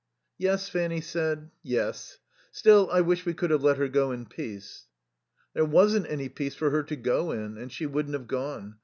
"Yes," Fanny said. "Yes. Still, I wish we could have let her go in peace." "There wasn't any peace for her to go in; and she wouldn't have gone.